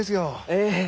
ええ！